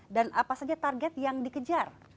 dan apa saja target yang dikejar